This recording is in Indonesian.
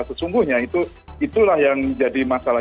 sesungguhnya itulah yang jadi masalah